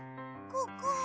ここは？